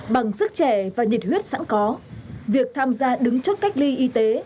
bằng sức trẻ và nhiệt huyết sẵn có việc tham gia đứng chốt cách ly y tế